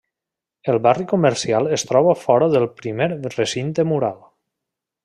El barri comercial es troba fora del primer recinte mural.